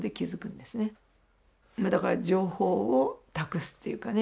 だから情報を託すっていうかね